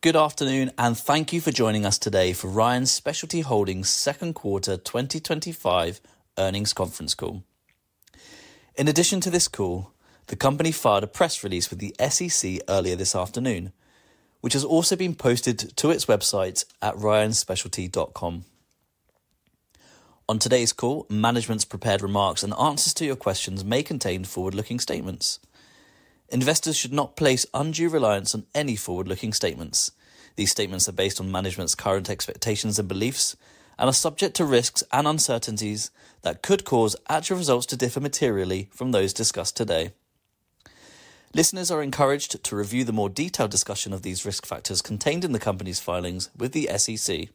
Good afternoon and thank you for joining us today for Ryan Specialty Holdings second quarter 2025 earnings conference call. In addition to this call, the company filed a press release with the SEC earlier this afternoon, which has also been posted to its website at ryanspecialty.com. On today's call, management's prepared remarks and answers to your questions may contain forward-looking statements. Investors should not place undue reliance on any forward-looking statements. These statements are based on management's current expectations and beliefs and are subject to risks and uncertainties that could cause actual results to differ materially from those discussed today. Listeners are encouraged to review the more detailed discussion of these risk factors contained in the company's filings with the SEC.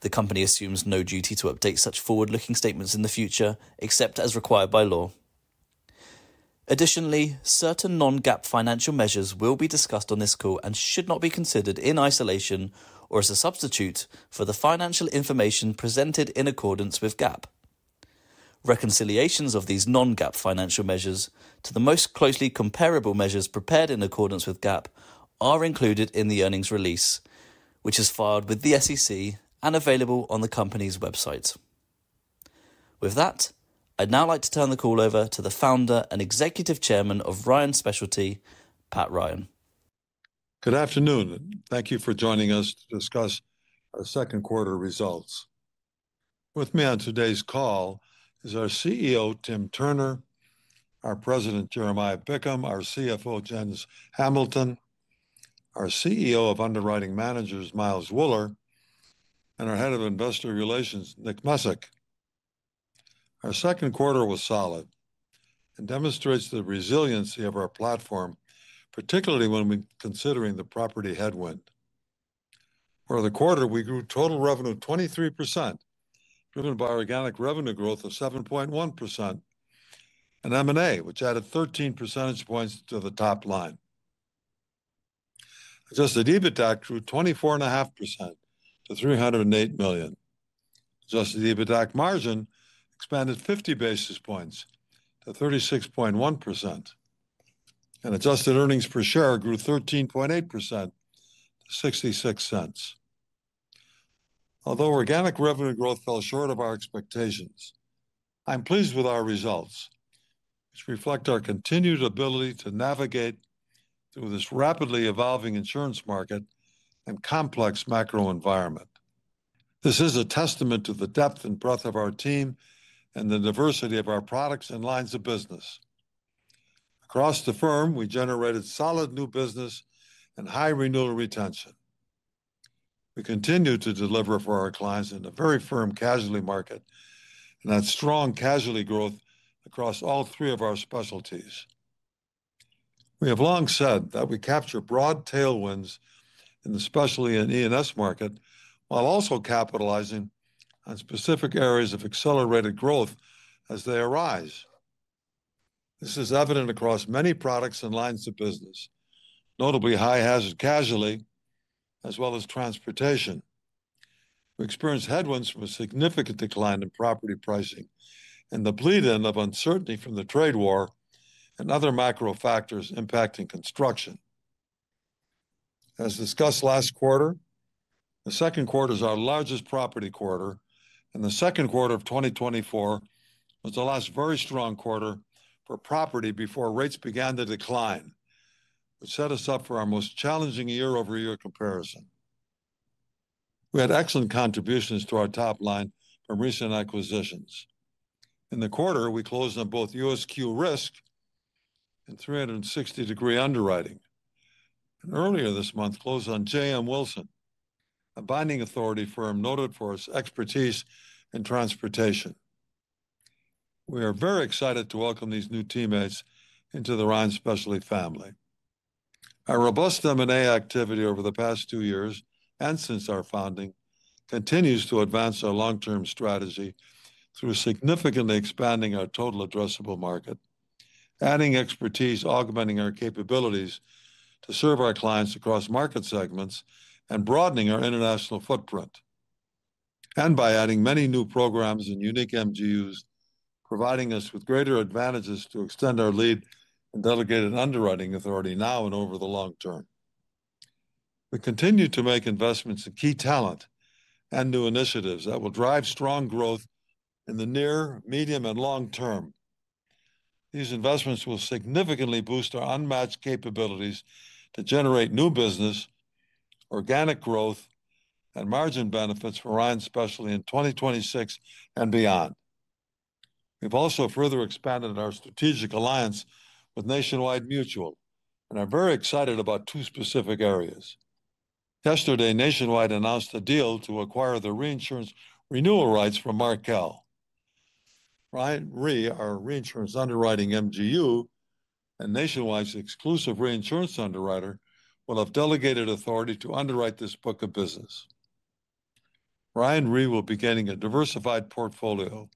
The company assumes no duty to update such forward-looking statements in the future except as required by law. Additionally, certain non-GAAP financial measures will be discussed on this call and should not be considered in isolation or as a substitute for the financial information presented in accordance with GAAP. Reconciliations of these non-GAAP financial measures to the most closely comparable measures prepared in accordance with GAAP are included in the earnings release, which is filed with the SEC and available on the company's website. With that, I'd now like to turn the call over to the Founder and Executive Chairman of Ryan Specialty, Pat Ryan. Good afternoon. Thank you for joining us to discuss our second quarter results. With me on today's call is our CEO Tim Turner, our President Jeremiah Bickham, our CFO Janice Hamilton, our CEO of Underwriting Managers Miles Wuller, and our Head of Investor Relations Nick Mezick. Our second quarter was solid and demonstrates the resiliency of our platform, particularly when we consider the property headwind. For the quarter, we grew total revenue 23% driven by organic revenue growth of 7.1% and M&A, which added 13 percentage points to the top line. Adjusted EBITDA grew 24.5% to $308 million, adjusted EBITDA margin expanded 50 basis points to 36.1%, and adjusted earnings per share grew 13.8% to $0.66. Although organic revenue growth fell short of our expectations, I'm pleased with our results, which reflect our continued ability to navigate through this rapidly evolving insurance market and complex macro environment. This is a testament to the depth and breadth of our team and the diversity of our products and lines of business. Across the firm, we generated solid new business and high renewal retention. We continue to deliver for our clients in a very firm casualty market and had strong casualty growth across all three of our specialties. We have long said that we capture broad tailwinds in the specialty and E&S market while also capitalizing on specific areas of accelerated growth as they arise. This is evident across many products and lines of business, notably high hazard casualty as well as transportation. We experienced headwinds from a significant decline in property pricing and the bleed-in of uncertainty from the trade war and other macro factors impacting construction. As discussed last quarter, the second quarter is our largest property quarter. The second quarter of 2024 was the last very strong quarter for property before rates began to decline, which set us up for our most challenging year-over-year comparison. We had excellent contributions to our top line from recent acquisitions in the quarter. We closed on both USQRisk and 360° Underwriting earlier this month and closed on JM Wilson, a binding authority firm noted for its expertise in transportation. We are very excited to welcome these new teammates into the Ryan Specialty family. Our robust M&A activity over the past two years and since our founding continues to advance our long-term strategy through significantly expanding our total addressable market, adding expertise, augmenting our capabilities to serve our clients across market segments, and broadening our international footprint by adding many new programs and unique MGUs, providing us with greater advantages to extend our lead in delegated underwriting authority now and over the long term. We continue to make investments in key talent and new initiatives that will drive strong growth in the near, medium, and long term. These investments will significantly boost our unmatched capabilities to generate new business, organic growth, and margin benefits for Ryan Specialty in 2026 and beyond. We've also further expanded our strategic alliance with Nationwide Mutual and are very excited about two specific areas. Yesterday, Nationwide Mutual announced a deal to acquire the Reinsurance Renewal Rights from Markel. Ryan Re, our reinsurance underwriting MGU, a Nationwide Mutual exclusive reinsurance underwriter, will have delegated authority to underwrite this book of business. Ryan Re will be gaining a diversified portfolio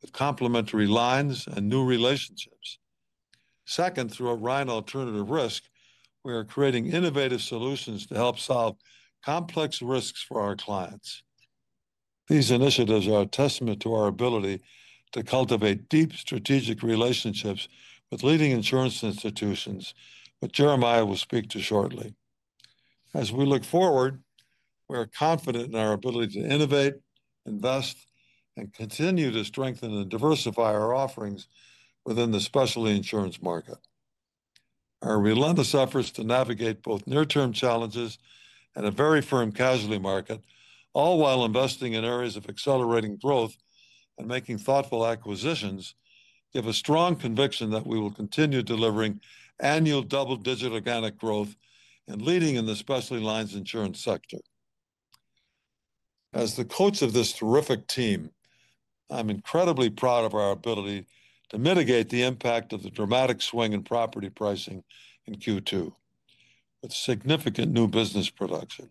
with complementary lines and new relationships. Second, through Ryan Alternative Risk, we are creating innovative solutions to help solve complex risks for our clients. These initiatives are a testament to our ability to cultivate deep strategic relationships with leading insurance institutions, which Jeremiah will speak to shortly. As we look forward, we are confident in our ability to innovate, invest, and continue to strengthen and diversify our offerings within the specialty insurance market. Our relentless efforts to navigate both near-term challenges and a very firm casualty market, all while investing in areas of accelerating growth and making thoughtful acquisitions, give us strong conviction that we will continue delivering annual double-digit organic growth and leading in the specialty lines insurance sector. As the coach of this terrific team, I'm incredibly proud of our ability to mitigate the impact of the dramatic swing in property pricing in Q2 with significant new business production.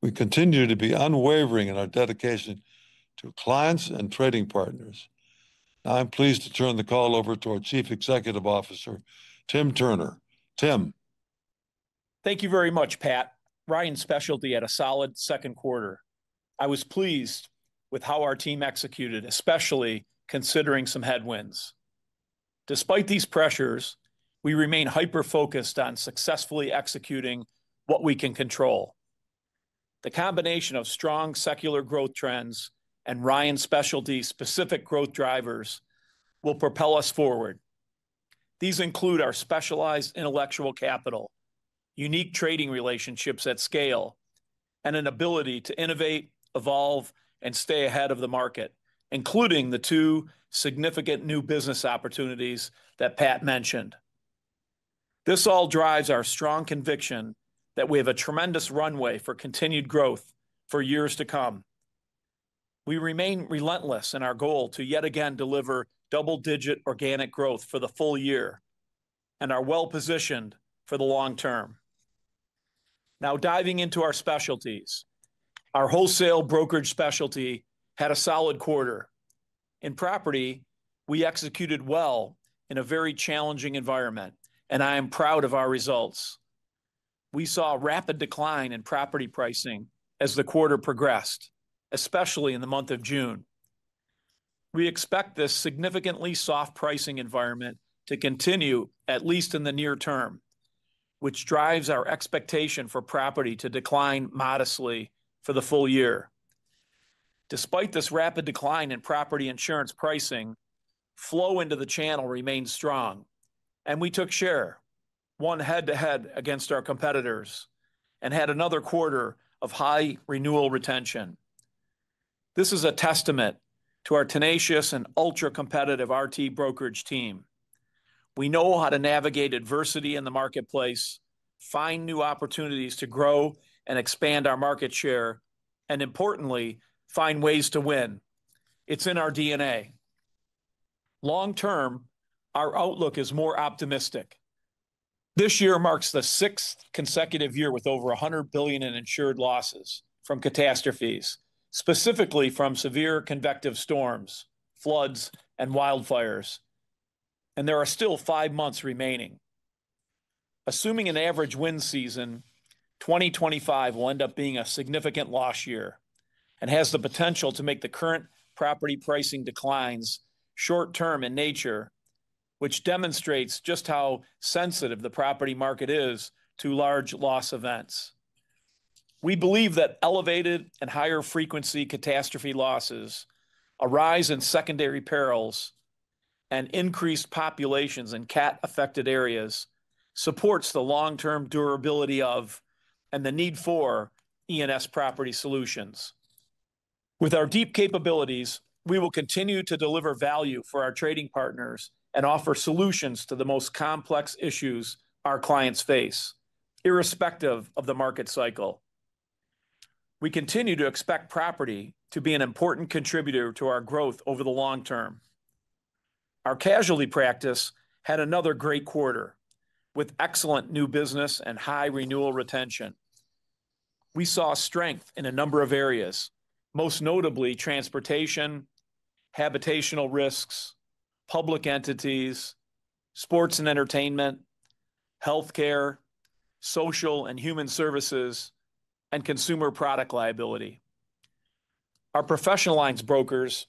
We continue to be unwavering in our dedication to clients and trading partners. Now I'm pleased to turn the call over to our Chief Executive Officer, Tim Turner. Tim. Thank you very much. Pat, Ryan Specialty had a solid second quarter. I was pleased with how our team executed, especially considering some headwinds. Despite these pressures, we remain hyper focused on successfully executing what we can control. The combination of strong secular growth trends and Ryan Specialty specific growth drivers will propel us forward. These include our specialized intellectual capital, unique trading relationships at scale, and an ability to innovate, evolve, and stay ahead of the market, including the two significant new business opportunities that Pat mentioned. This all drives our strong conviction that we have a tremendous runway for continued growth for years to come. We remain relentless in our goal to yet again deliver double digit organic growth for the full year and are well positioned for the long term. Now, diving into our specialties, our Wholesale Brokerage specialty had a solid quarter in property. We executed well in a very challenging environment, and I am proud of our results. We saw a rapid decline in property pricing as the quarter progressed, especially in the month of June. We expect this significantly soft pricing environment to continue at least in the near term, which drives our expectation for property to decline modestly for the full year. Despite this rapid decline in property insurance pricing, flow into the channel remains strong, and we took share one head to head against our competitors and had another quarter of high renewal retention. This is a testament to our tenacious and ultra competitive RT brokerage team. We know how to navigate adversity in the marketplace, find new opportunities to grow and expand our market share, and importantly, find ways to win. It's in our DNA. Long term, our outlook is more optimistic. This year marks the sixth consecutive year with over $100 billion in insured losses from catastrophes, specifically from severe convective storms, floods, and wildfires, and there are still five months remaining. Assuming an average wind season, 2025 will end up being a significant loss year and has the potential to make the current property pricing declines short term in nature, which demonstrates just how sensitive the property market is to large loss events. We believe that elevated and higher frequency catastrophe losses, a rise in secondary perils, and increased populations in cat affected areas supports the long term durability of and the need for E&S property solutions. With our deep capabilities, we will continue to deliver value for our trading partners and offer solutions to the most complex issues our clients face. Irrespective of the market cycle, we continue to expect property to be an important contributor to our growth over the long term. Our Casualty practice had another great quarter with excellent new business and high renewal retention. We saw strength in a number of areas, most notably transportation, habitational risks, public entities, sports and entertainment, healthcare, social and human services, and consumer product liability. OurProfessional Lines brokers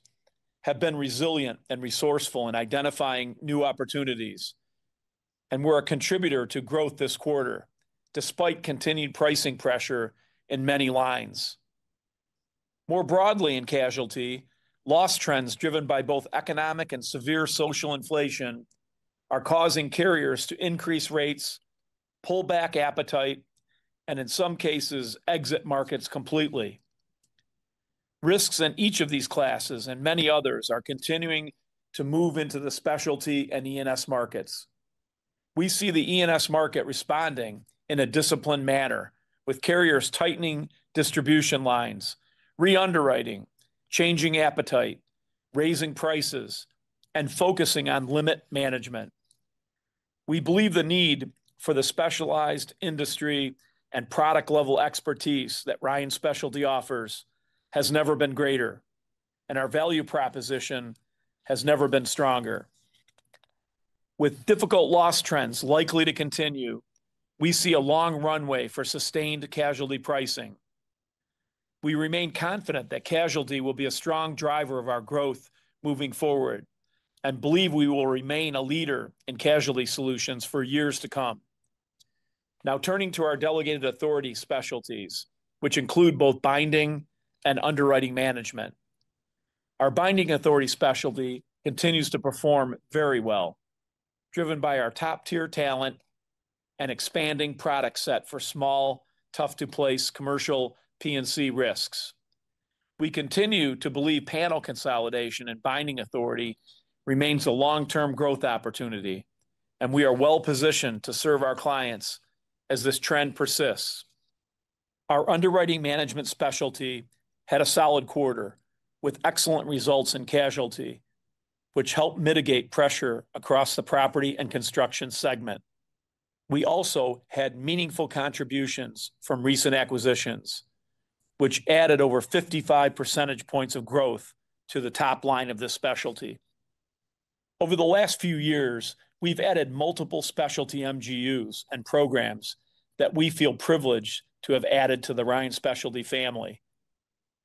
have been resilient and resourceful in identifying new opportunities and were a contributor to growth this quarter despite continued pricing pressure in many lines. More broadly in casualty, loss trends driven by both economic and severe social inflation are causing carriers to increase rates, pull back appetite, and in some cases exit markets completely. Risks in each of these classes and many others are continuing to move into the Specialty and E&S markets. We see the E&S market responding in a disciplined manner with carriers tightening distribution lines, re-underwriting, changing appetite, raising prices, and focusing on limit management. We believe the need for the specialized industry and product level expertise that Ryan Specialty offers has never been greater and our value proposition has never been stronger. With difficult loss trends likely to continue, we see a long runway for sustained casualty pricing. We remain confident that casualty will be a strong driver of our growth moving forward and believe we will remain a leader in casualty solutions for years to come. Now turning to our delegated authority specialties, which include both binding and underwriting management, our Binding Authority specialty continues to perform very well, driven by our top-tier talent and expanding product set for small, tough-to-place commercial P&C risks. We continue to believe panel consolidation in binding authority remains a long-term growth opportunity, and we are well positioned to serve our clients as this trend persists. Our underwriting management specialty had a solid quarter with excellent results in casualty, which helped mitigate pressure across the property and construction segment. We also had meaningful contributions from recent acquisitions, which added over 55 percentage points of growth to the top line of this specialty. Over the last few years we've added multiple specialty MGUs and programs that we feel privileged to have added to the Ryan Specialty family.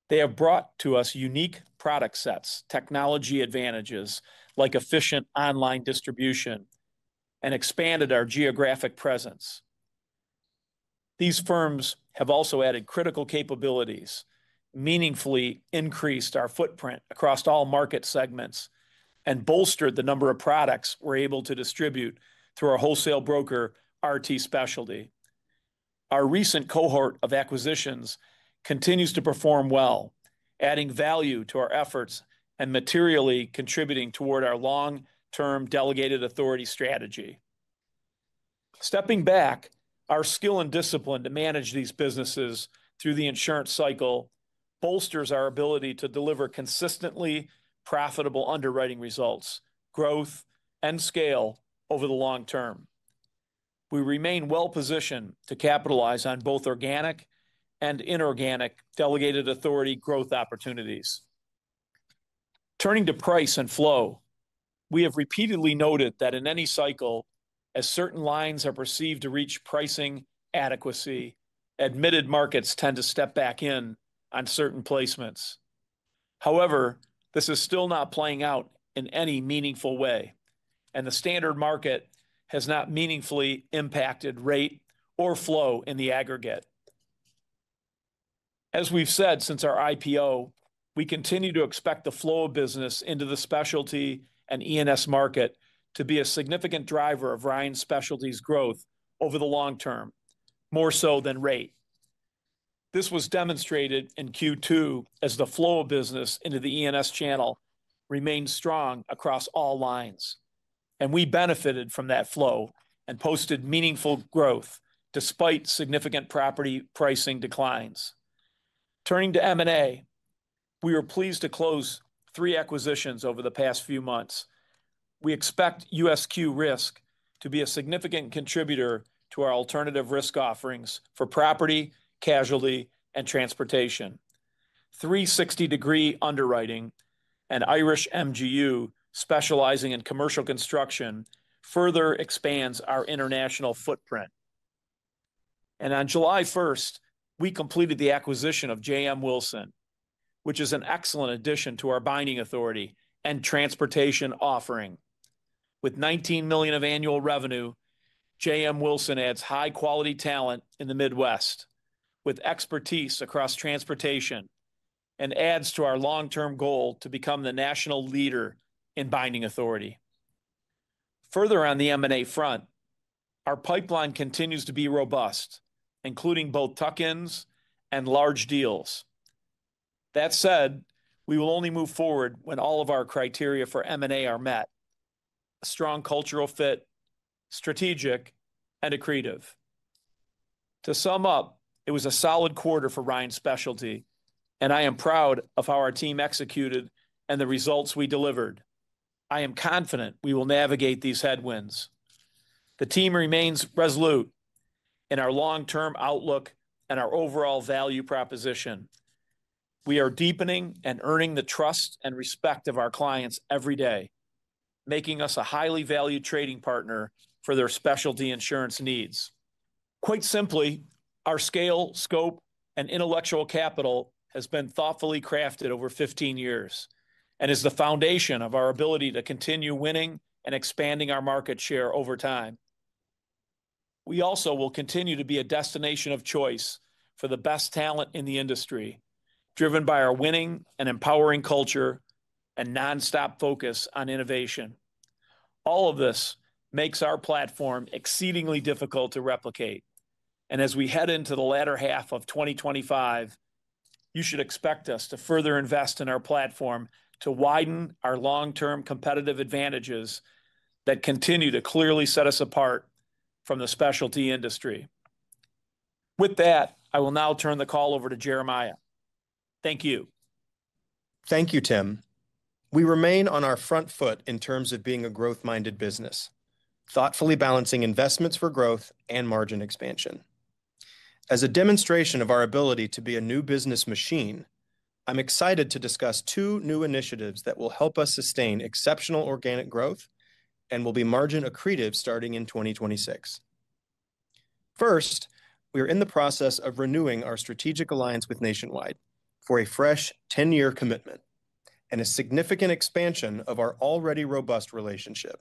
They have brought to us unique product sets, technology advantages like efficient online distribution, and expanded our geographic presence. These firms have also added critical capabilities, meaningfully increased our footprint across all market segments, and bolstered the number of products we're able to distribute through our wholesale broker RT Specialty. Our recent cohort of acquisitions continues to perform well, adding value to our efforts and materially contributing toward our long-term delegated authority strategy. Stepping back, our skill and discipline to manage these businesses through the insurance cycle bolsters our ability to deliver consistently profitable underwriting results, growth, and scale over the long term. We remain well positioned to capitalize on both organic and inorganic delegated authority growth opportunities. Turning to price and flow, we have repeatedly noted that in any cycle as certain lines are perceived to reach pricing adequacy, admitted markets tend to step back in on certain placements. However, this is still not playing out in any meaningful way, and the standard market has not meaningfully impacted rate or flow in the aggregate. As we've said since our IPO, we continue to expect the flow of business into the Specialty and E&S market to be a significant driver of Ryan Specialty's growth over the long term, more so than rate. This was demonstrated in Q2 as the flow of business into the E&S channel remained strong across all lines, and we benefited from that flow and posted meaningful growth despite significant property pricing declines. Turning to M&A, we were pleased to close three acquisitions over the past few months. We expect USQRisk to be a significant contributor to our alternative risk offerings for property, casualty, and transportation. 360° Underwriting, an Irish MGU specializing in commercial construction, further expands our international footprint, and on July 1st we completed the acquisition of JM Wilson, which is an excellent addition to our binding authority and transportation offering. With $19 million of annual revenue, JM Wilson adds high quality talent in the Midwest with expertise across transportation and adds to our long-term goal to become the national leader in binding authority. Further on the M&A front, our pipeline continues to be robust, including both tuck-ins and large deals. That said, we will only move forward when all of our criteria for M&A are met: a strong cultural fit, strategic, and accretive. To sum up, it was a solid quarter for Ryan Specialty, and I am proud of how our team executed and the results we delivered. I am confident we will navigate these headwinds. The team remains resolute in our long-term outlook and our overall value proposition. We are deepening and earning the trust and respect of our clients every day, making us a highly valued trading partner for their specialty insurance needs. Quite simply, our scale, scope, and intellectual capital have been thoughtfully crafted over 15 years and are the foundation of our ability to continue winning and expanding our market share over time. We also will continue to be a destination of choice for the best talent in the industry, driven by our winning and empowering culture and nonstop focus on innovation. All of this makes our platform exceedingly difficult to replicate, and as we head into the latter half of 2025, you should expect us to further invest in our platform and to widen our long-term competitive advantages that continue to clearly set us apart from the specialty industry. With that, I will now turn the call over to Jeremiah. Thank you. Thank you, Tim. We remain on our front foot in terms of being a growth-minded business, thoughtfully balancing investments for growth and margin expansion. As a demonstration of our ability to be a new business machine, I'm excited to discuss two new initiatives that will help us sustain exceptional organic growth and will be margin accretive starting in 2026. First, we are in the process of renewing our strategic alliance with Nationwide for a fresh 10-year commitment and a significant expansion of our already robust relationship.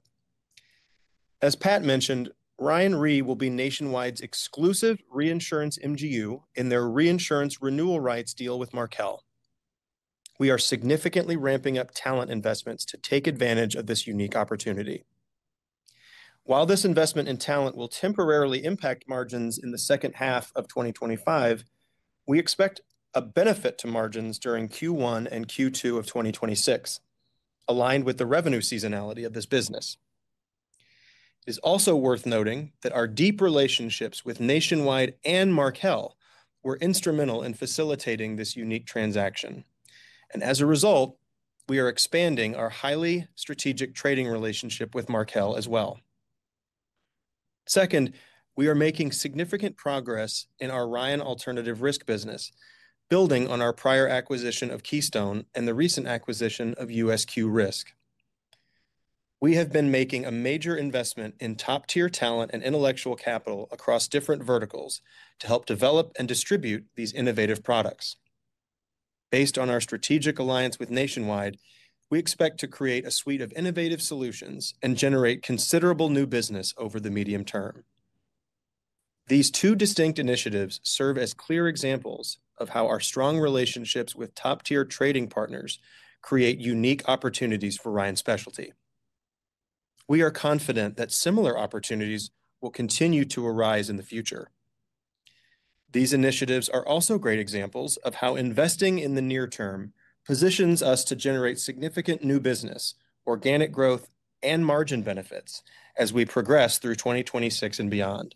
As Pat mentioned, Ryan Re will be Nationwide's exclusive reinsurance MGU in their reinsurance renewal rights deal with Markel. We are significantly ramping up talent investments to take advantage of this unique opportunity. While this investment in talent will temporarily impact margins in the second half of 2025, we expect a benefit to margins during Q1 and Q2 of 2026 aligned with the revenue seasonality of this business. It is also worth noting that our deep relationships with Nationwide and Markel were instrumental in facilitating this unique transaction, and as a result, we are expanding our highly strategic trading relationship with Markel as well. Second, we are making significant progress in our Ryan Alternative Risk business. Building on our prior acquisition of Keystone and the recent acquisition of USQRisk, we have been making a major investment in top-tier talent and intellectual capital across different verticals to help develop and distribute these innovative products. Based on our strategic alliance with Nationwide, we expect to create a suite of innovative solutions and generate considerable new business over the medium term. These two distinct initiatives serve as clear examples of how our strong relationships with top-tier trading partners create unique opportunities for Ryan Specialty. We are confident that similar opportunities will continue to arise in the future. These initiatives are also great examples of how investing in the near term positions us to generate significant new business, organic growth, and margin benefits as we progress through 2026 and beyond.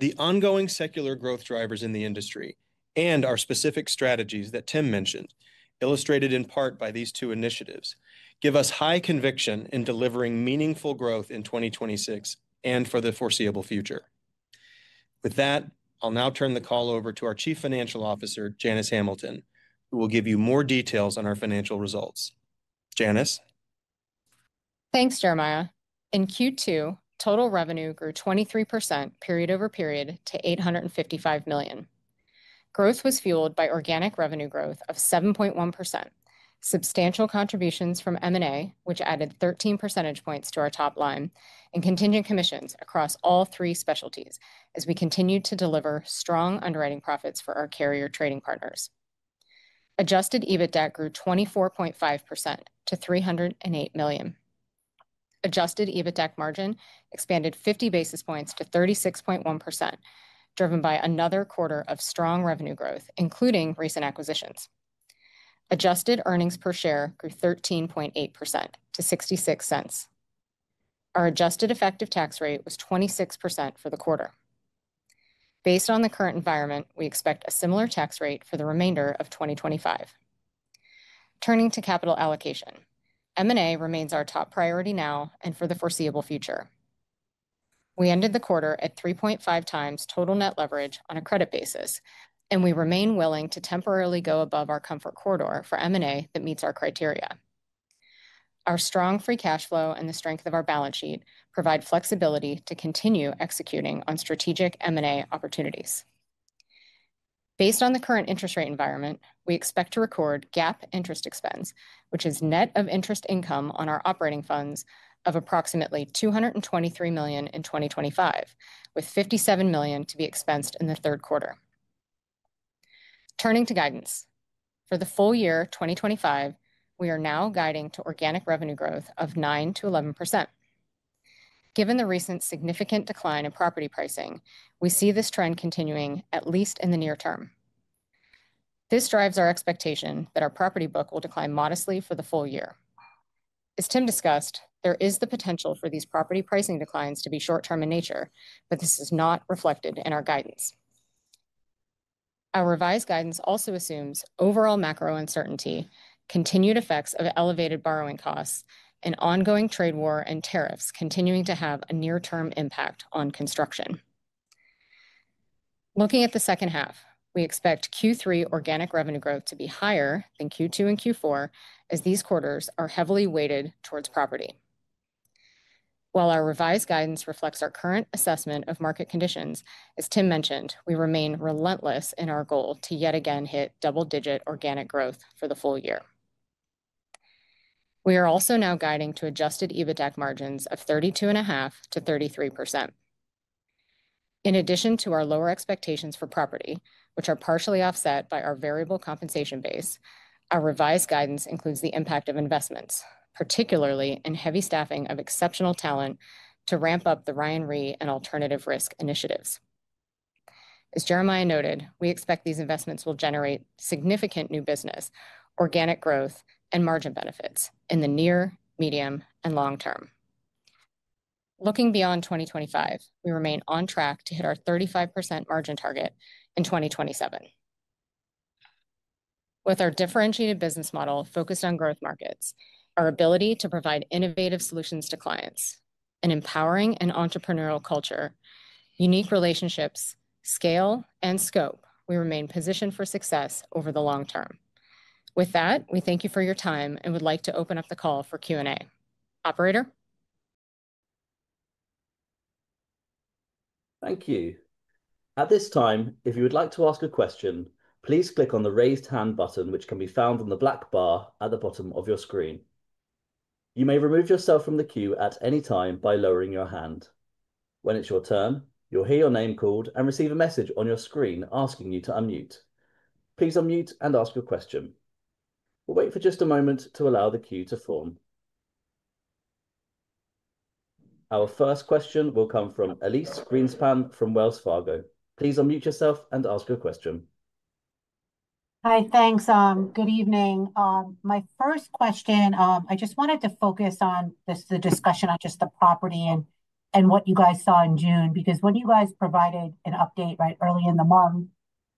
The ongoing secular growth drivers in the industry and our specific strategies that Tim mentioned, illustrated in part by these two initiatives, give us high conviction in delivering meaningful growth in 2026 and for the foreseeable future. With that, I'll now turn the call over to our Chief Financial Officer, Janice Hamilton, who will give you more details on our financial results. Janice. Thanks Jeremiah. In Q2, total revenue grew 23% period-over-period to $855 million. Growth was fueled by organic revenue growth of 7.1%, substantial contributions from M&A which added 13 percentage points to our top line, and contingent commissions across all three specialties as we continue to deliver strong underwriting profits for our carrier trading partners. Adjusted EBITDAC grew 24.5% to $308 million. Adjusted EBITDAC margin expanded 50 basis points to 36.1%, driven by another quarter of strong revenue growth including recent acquisitions. Adjusted earnings per share grew 13.8% to $0.66. Our adjusted effective tax rate was 26% for the quarter. Based on the current environment, we expect a similar tax rate for the remainder of 2025. Turning to capital allocation, M&A remains our top priority now and for the foreseeable future. We ended the quarter at 3.5x total net leverage on a credit basis, and we remain willing to temporarily go above our comfort corridor for M&A that meets our criteria. Our strong free cash flow and the strength of our balance sheet provide flexibility to continue executing on strategic M&A opportunities. Based on the current interest rate environment, we expect to record GAAP interest expense, which is net of interest income on our operating funds, of approximately $223 million in 2025 with $57 million to be expensed in the third quarter. Turning to guidance for the full year 2025, we are now guiding to organic revenue growth of 9%-11%. Given the recent significant decline in property pricing, we see this trend continuing at least in the near term. This drives our expectation that our property book will decline modestly for the full year. As Tim discussed, there is the potential for these property pricing declines to be short term in nature, but this is not reflected in our guidance. Our revised guidance also assumes overall macro uncertainty, continued effects of elevated borrowing costs, an ongoing trade war, and tariffs continuing to have a near term impact on construction. Looking at the second half, we expect Q3 organic revenue growth to be higher than Q2 and Q4 as these quarters are heavily weighted towards property. While our revised guidance reflects our current assessment of market conditions, as Tim mentioned, we remain relentless in our goals to yet again hit double digit organic growth. For the full year. We are also now guiding to adjusted EBITDAC margins of 32.5%-33%. In addition to our lower expectations for property, which are partially offset by our variable compensation base, our revised guidance includes the impact of investments, particularly in heavy staffing of exceptional talent to ramp up the Ryan Re and alternative risk initiatives. As Jeremiah noted, we expect these investments will generate significant new business organic growth and margin benefits in the near, medium, and long term. Looking beyond 2025, we remain on track to hit our 35% margin target in 2027. With our differentiated business model focused on growth markets, our ability to provide innovative solutions to clients, an empowering and entrepreneurial culture, unique relationships, scale, and scope, we remain positioned for success over the long term. With that, we thank you for your time and would like to open up the call for Q&A. Operator? Thank you. At this time, if you would like to ask a question, please click on the raised hand button which can be found on the black bar at the bottom of your screen. You may remove yourself from the queue at any time by lowering your hand. When it's your turn, you'll hear your name called and receive a message on your screen asking you to unmute. Please unmute and ask your question. We'll wait for just a moment to allow the queue to form. Our first question will come from Elyse Greenspan from Wells Fargo. Please unmute yourself and ask a question. Hi. Thanks. Good evening. My first question, I just wanted to focus on this, the discussion on just the property and what you guys saw in June. Because when you guys provided an update right early in the month,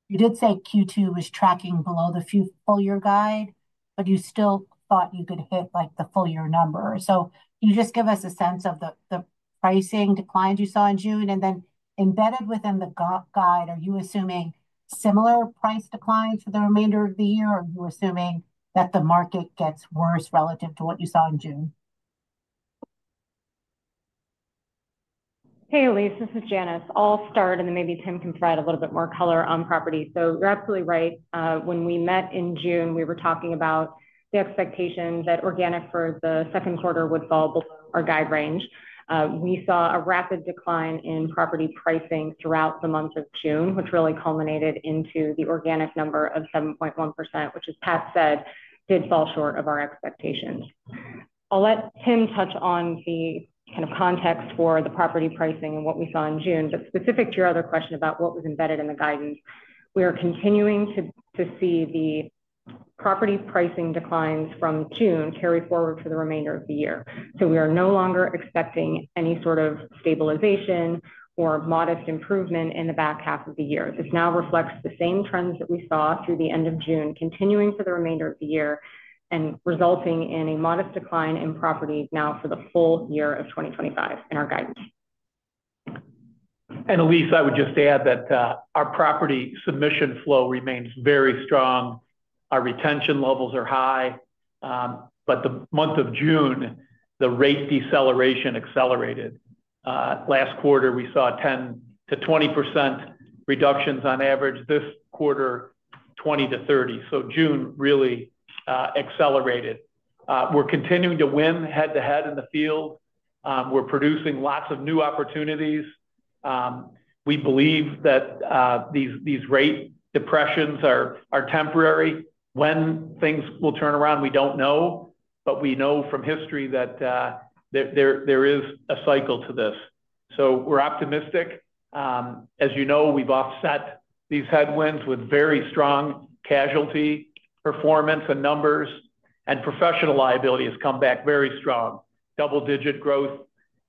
you did say Q2 was tracking below the full year guide, but you still thought you could hit like the full year number. Can you just give us a sense of the pricing declines you saw in June? And then embedded within the guide, are you assuming similar price declines for the remainder of the year or are you assuming that the market gets worse relative to what you saw in June? Hey Elyse, this is Janice. I'll start and then maybe Tim can provide a little bit more color on property. You're absolutely right. When we met in June, we were talking about the expectation that organic for the second quarter would fall our guide range. We saw a rapid decline in property pricing throughout the month of June, which really culminated into the organic number of 7.1%, which as Pat said, did fall short of our expectations. I'll let Tim touch on the kind of context for the property pricing and what we saw in June. Specific to your other question about what was embedded in the guidance, we are continuing to see the property pricing declines from June carry forward for the remainder of the year. We are no longer expecting any sort of stabilization or modest improvement in the back half of the year. This now reflects the same trends that we saw through the end of June, continuing for the remainder of the year and resulting in a modest decline in property now for the full year of 2025 in our guidance. Elyse, I would just add that our property submission flow remains very strong. Our retention levels are high, but in the month of June, the rate deceleration accelerated. Last quarter we saw 10%-20% reductions on average. This quarter, 20%-30%. June really accelerated. We're continuing to win head to head in the field. We're producing lots of new opportunities. We believe that these rate depressions are temporary. When things will turn around, we don't know. We know from history that there is a cycle to this. We're optimistic. As you know, we've offset these headwinds with very strong casualty performance and numbers, and professional liability has come back very strong, double-digit growth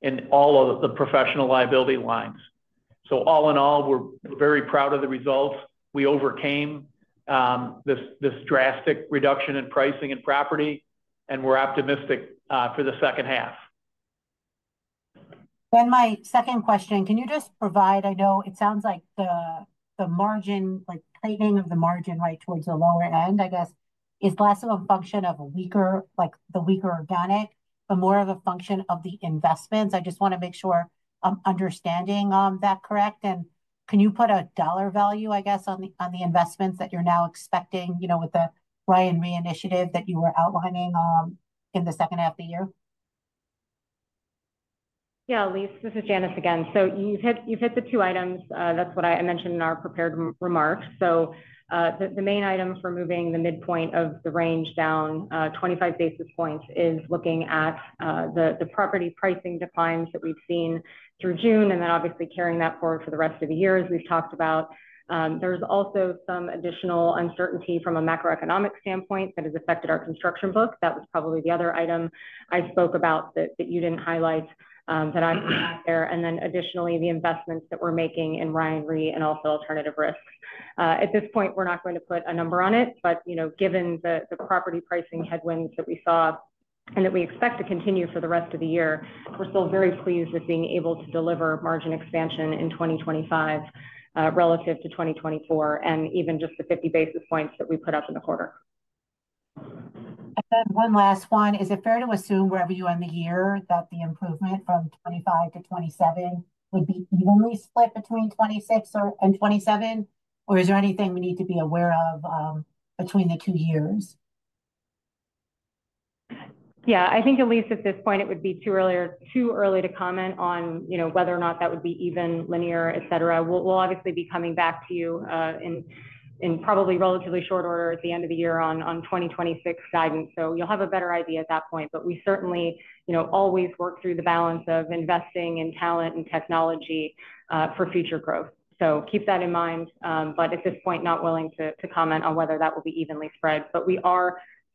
in all of the professional liability lines. All in all, we're very proud of the results. We overcame this drastic reduction in pricing in property, and we're optimistic for the second half. My second question, can you just provide, I know it sounds like the margin, like tightening of the margin right towards the lower end, I guess is less of a function of a weaker, like the weaker organic, but more of a function of the investments. I just want to make sure I'm understanding that correct. Can you put a dollar value, I guess, on the investments that you're now expecting, you know, with the Ryan Re initiative that you were outlining in the second half of the year? Yeah. Elyse, this is Janice again. You've hit the two items. That's what I mentioned in our prepared remarks. The main item for moving the midpoint of the range down 25 basis points is looking at the property pricing declines that we've seen through June and then obviously carrying that forward for the rest of the year. As we've talked, there's also some additional uncertainty from a macroeconomic standpoint that has affected our construction book. That was probably the other item I spoke about that you didn't highlight. Additionally, the investments that we're making in Ryan Re and also alternative risk at this point, we're not going to put a number on it, but given the property pricing headwinds that we saw and that we expect to continue for the rest of the year, we're still very pleased with being able to deliver margin expansion in 2025 relative to 2024 and even just the 50 basis points that we put up in the quarter. One last one. Is it fair to assume wherever you end the year that the improvement from 2025 to 2027 would be evenly split between 2026 and 2027, or is there anything we need to be aware of between the two years? I think at least at this point it would be too early to comment on whether or not that would be even linear, et cetera. We'll obviously be coming back to you in probably relatively short order at the end of the year on 2026 guidance, so you'll have a better idea at that point. We certainly always work through the balance of investing in talent and technology for future growth, so keep that in mind. At this point, not willing to comment on whether that will be evenly spread, but we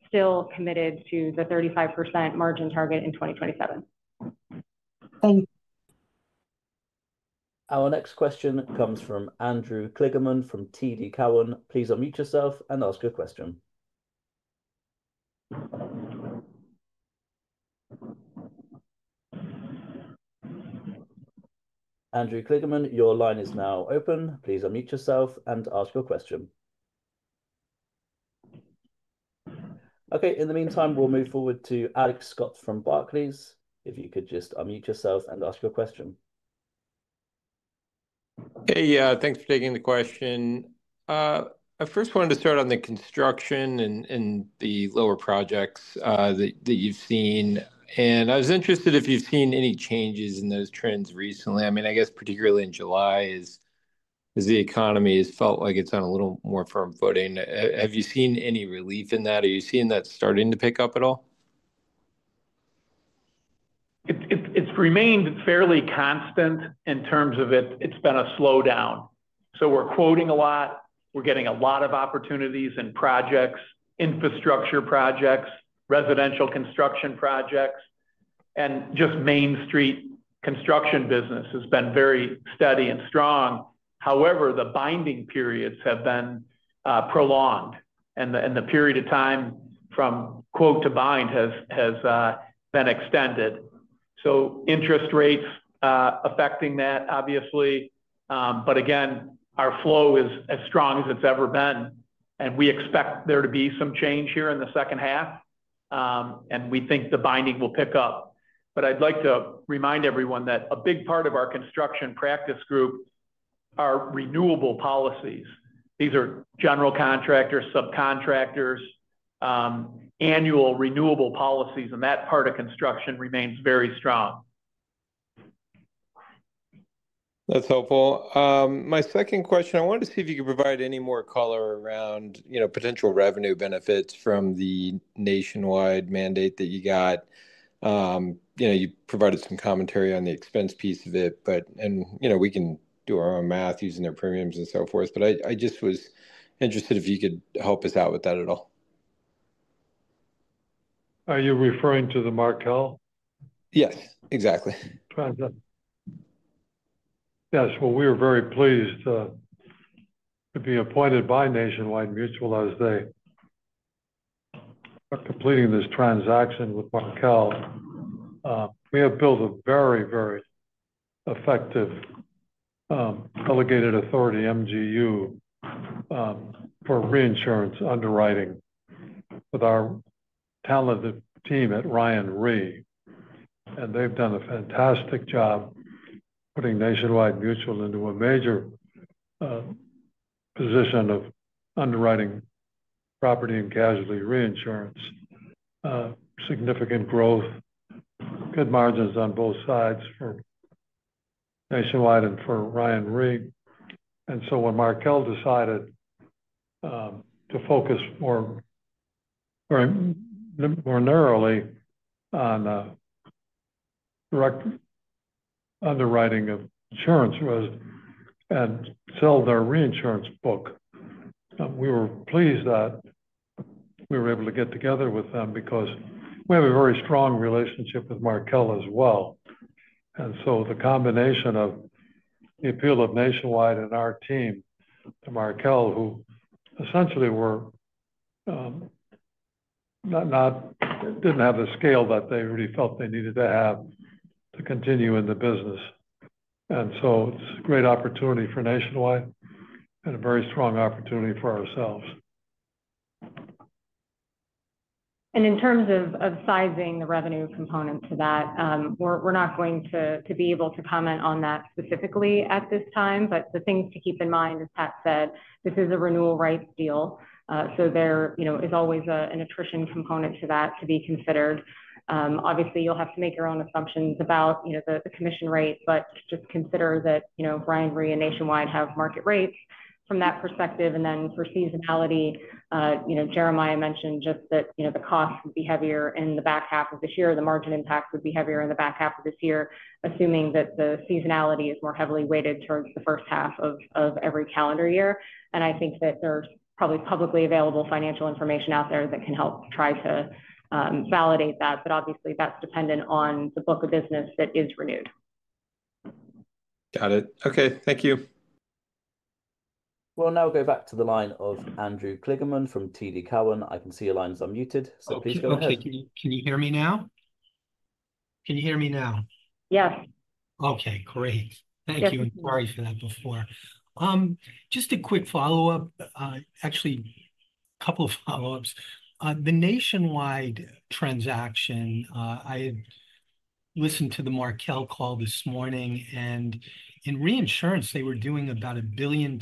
are still committed to the 35% margin target in 2027. Thank you. Our next question comes from Andrew Kligerman from TD Cowen. Please unmute yourself and ask your question. Andrew Kligerman, your line is now open. Please unmute yourself and ask your question. In the meantime, we'll move forward to Alex Scott from Barclays. If you could just unmute yourselves and ask your question. Hey, thanks for taking the question. I first wanted to start on the construction and the lower projects that you've seen. I was interested if you've seen any changes in those trends recently? I guess, particularly in July. The economy has felt like it's on a little more firm footing. Have you seen any relief in that? Are you seeing that starting to pick up at all? It's remained fairly constant in terms of it. It's been a slowdown, so we're quoting a lot. We're getting a lot of opportunities and projects, infrastructure projects, residential construction projects, and just Main Street construction. Business has been very steady and strong. However, the binding periods have been prolonged, and the period of time from quote to bind has been extended. Interest rates are affecting that, obviously. Again, our flow is as strong as it's ever been, and we expect there to be some change here in the second half. We think the binding will pick up. I'd like to remind everyone that a big part of our construction practice group are renewable policies. These are general contractors, subcontractors, annual renewable policies, and that part of construction remains very strong. That's helpful. My second question, I wanted to see if you could provide any more color around, you know, potential revenue benefits from the Nationwide Mutual mandate that you got. You know, you provided some commentary on the expense piece of it. We can do our own math using their premiums and so. I just was interested if you could help us out with that at all. Are you referring to Markel? Yes, exactly. Yes. We are very pleased to be appointed by Nationwide Mutual as they are completing this transaction with Markel. We have built a very, very effective, delegated authority MGU for reinsurance underwriting with our talented team at Ryan Re. They've done a fantastic job putting Nationwide Mutual into a major position of underwriting property and casualty reinsurance. Significant growth, good margins on both sides for Nationwide Mutual and for Ryan Re. When Markel decided to focus more narrowly on direct underwriting of insurance and sell their reinsurance book, we were pleased that we were able to get together with them because we have a very strong relationship with Markel as well. The combination of the appeal of Nationwide Mutual and our team, Markel, who essentially did not have the scale that they really felt they needed to have to continue in the business. It's a great opportunity for Nationwide Mutual and a very strong opportunity for ourselves. In terms of sizing the revenue component to that, we're not going to be able to comment on that specifically at this time. The things to keep in mind, as Pat said, this is a renewal rights deal. There is always an attrition component to that to be considered. Obviously you'll have to make your own assumptions about the commission rate, but just consider that Ryan Re and Nationwide Mutual have market rates from that perspective. For seasonality, Jeremiah mentioned that the cost would be heavier in the back half of this year, and the margin impact would be heavier in the back half of this year assuming that the seasonality is more heavily weighted towards the first half of every calendar year. I think that there's probably publicly available financial information out there that can help try to validate that. Obviously that's dependent on the book of business that is renewed. Got it. Okay, thank you. We'll now go back to the line of Andrew Kligerman from TD Cowen. I can see your line's unmuted, so please go ahead. Okay. Can you hear me now? Can you hear me now? Yes. Okay, great. Thank you. Sorry for that before. Just a quick follow up, actually a couple of follow ups. The Nationwide Mutual transaction. I listened to the Markel call this morning, and in reinsurance they were doing about $1.2 billion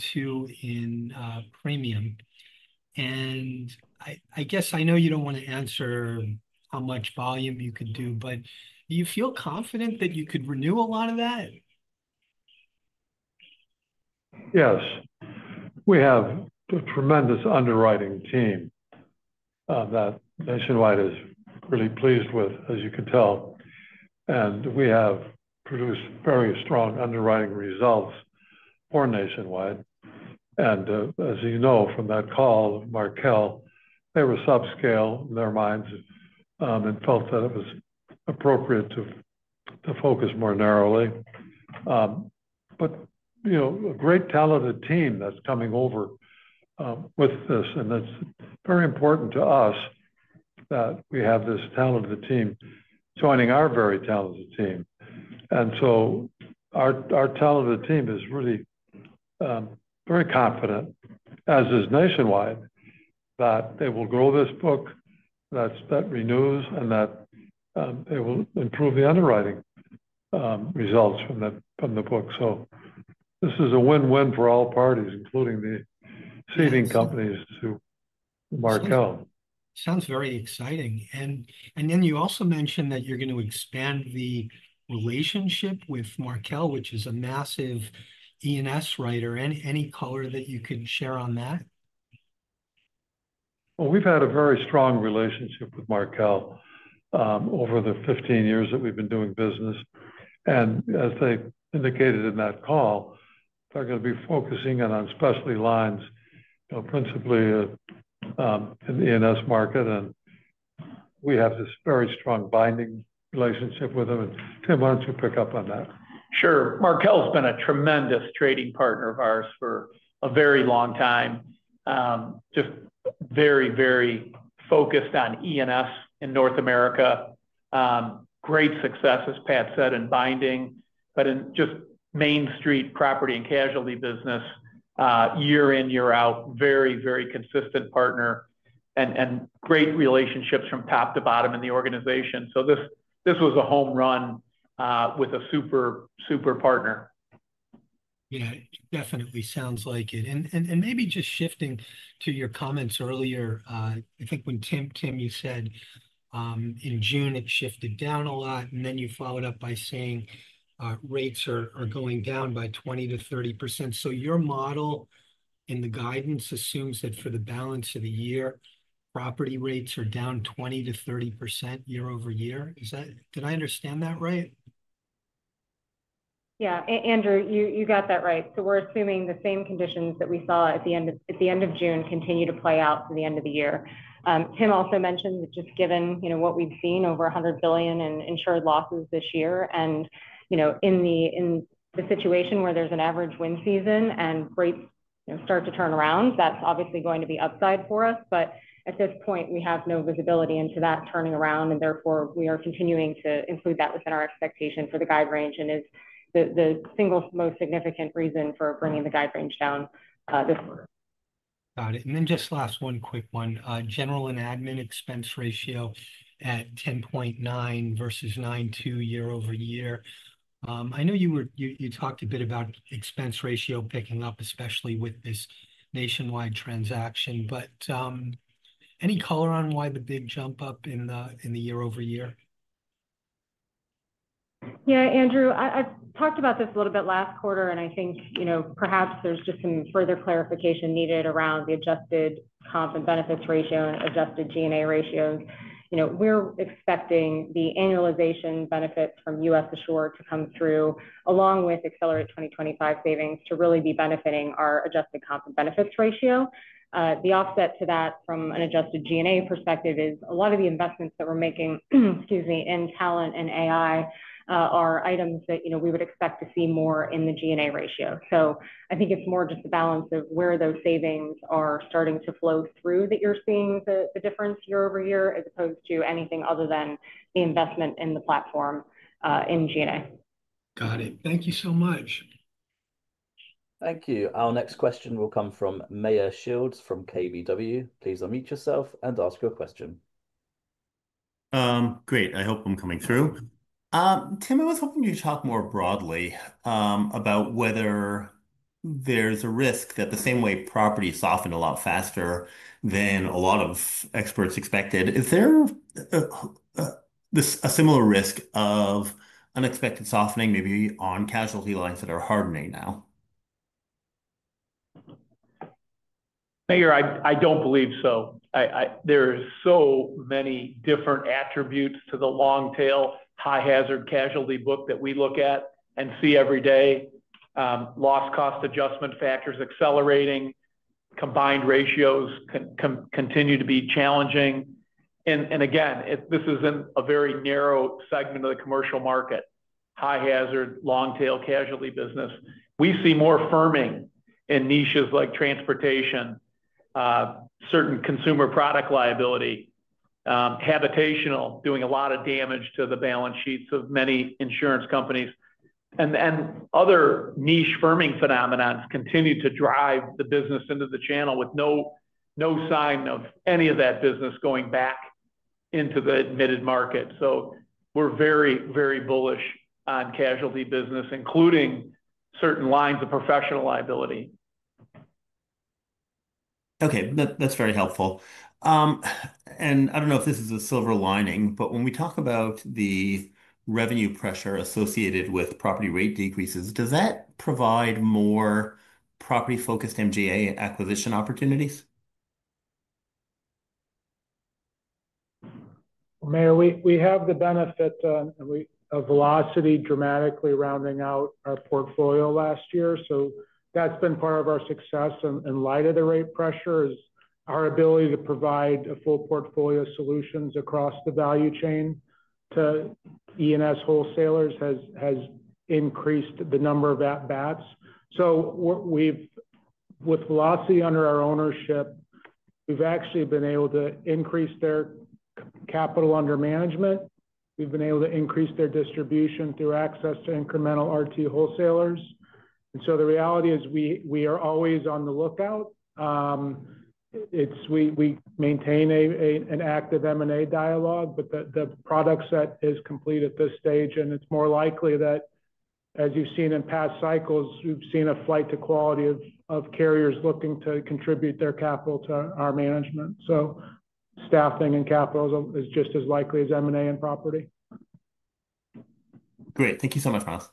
in premium. I guess I know you don't want to answer how much volume you could do, but do you feel confident that you could renew a lot of that? Yes, we have a tremendous underwriting team that Nationwide is really pleased with, as you can tell. We have produced very strong underwriting results for Nationwide. As you know from that call, Markel, they were subscale in their minds and felt that it was appropriate to focus more narrowly. A great, talented team is coming over with this, and it's very important to us that we have this talented team joining our very talented team. Our talented team is really very confident, as is Nationwide, that they will grow this book that renews and that they will improve the underwriting results from the book. This is a win-win for all parties, including the ceding companies, to Markel. Sounds very exciting. You also mentioned that you're going to expand the relationship with Markel, which is a massive E&S writer. Any color that you can share on that? We have had a very strong relationship with Markel over the 15 years that we've been doing business. As they indicated in that call, they're going to be focusing on specialty lines, principally in the E&S market, and we have this very strong, binding relationship with them. Tim, why don't you pick up on that. Markel's been a tremendous trading partner of ours for a very long time. Just very, very focused on E&S in North America. Great success, as Pat said, in binding, but in just Main Street property and casualty business year in, year out, very, very consistent partner and great relationships from top to bottom in the organization. This was a home run with a super, super partner. Yeah, definitely sounds like it. Maybe just shifting to your comments earlier, I think when Tim, Tim, you said in June it shifted down a lot and then you followed up by saying rates are going down by 20%-30%. Your model in the guidance assumes that for the balance of the year, property rates are down 20%-30% year-over-year. Is that, did I understand that right? Yeah, Andrew, you got that right. We're assuming the same conditions that we saw at the end of June continue to play out to the end of the year. Tim also mentioned that just given what we've seen, over $100 billion in insured losses this year, and in the situation where there's an average wind season and rates start to turn around, that's obviously going to be upside for us. At this point, we have no visibility into that turning around and therefore we are continuing to include that within our expectation for the guide range, and it is the single most significant reason for bringing the guide range down this quarter. Got it. Just last one quick one. General and admin expense ratio at 10.9% versus 9.2% year-over-year. I know you talked a bit about expense ratio picking up, especially with this Nationwide Mutual transaction, but any color on why the big jump up in the year-over-year? Yeah, Andrew, I talked about this a little bit last quarter and I think, you know, perhaps there's just some further clarification needed around the adjusted comp and benefits ratio, adjusted G&A ratio. We're expecting the annualization benefits from US Assure to come through along with ACCELERATE 2025 savings to really be benefiting our adjusted comp and benefits ratio. The offset to that from an adjusted G&A perspective is a lot of the investments that we're making, excuse me, in talent and AI are items that we would expect to see more in the G&A ratio. I think it's more just the balance of where those savings are starting to flow through that you're seeing the difference year-over-year as opposed to anything other than the investment in the platform in G&A. Got it. Thank you so much. Thank you. Our next question will come from Meyer Shields from KBW. Please unmute yourself and ask your question. Great. I hope I'm coming through. Tim, I was hoping you talk more broadly about whether there's a risk that the same way property softened a lot faster than a lot of experts expected. Is there a similar risk of unexpected softening maybe on casualty lines that are hardening now? I don't believe so. There are so many different attributes to the long tail high hazard casualty book that we look at and see every day. Loss cost adjustment factors accelerating, combined ratios continue to be challenging, and again this is a very narrow segment of the commercial market, high hazard long tail casualty business. We see more firming in niches like transportation, certain consumer product liability, habitational doing a lot of damage to the balance sheets of many insurance companies, and other niche firming phenomenons continue to drive the business into the channel with no sign of any of that business going back into the admitted market. We're very, very bullish on casualty business, including certain lines of professional liability. Okay, that's very helpful, and I don't know if this is a silver lining. When we talk about the revenue pressure associated with property rate decreases, does that provide more property-focused MGU acquisition opportunities? We have the benefit of Velocity dramatically rounding out our portfolio last year. That's been part of our success in light of the rate pressure, our ability to provide a full portfolio. Solutions across the value chain to E&S wholesalers has increased the number of at bats. With Velocity under our ownership, we've actually been able to increase their capital under management. We've been able to increase their distribution through access to incremental RT wholesalers. The reality is we are always on the lookout. We maintain an active M&A dialogue, but the product set is complete at this stage, and it's more likely that, as you've seen in past cycles, we've seen a flight to quality of carriers looking to contribute their capital to our management. Staffing and capitalism is just as likely as M&A in property. Great. Thank you so much, Miles.